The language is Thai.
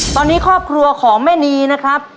ตอนนี้ครอบครัวของแม่นีนะครับ